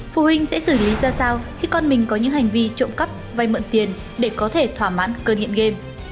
phụ huynh sẽ xử lý ra sao khi con mình có những hành vi trộm cắp vay mượn tiền để có thể thỏa mãn cơn nghiện game